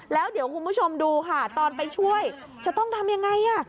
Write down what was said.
แล้วเดี๋ยวคุณผู้ชมดูค่ะตอนไปช่วยจะต้องทำยังไง